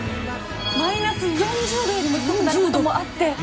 マイナス４０度よりも低くなることもあって。